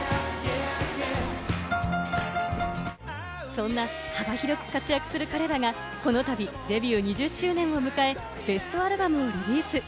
そんな幅広く活躍する彼らがこのたびデビュー２０周年を迎え、ベストアルバムをリリース。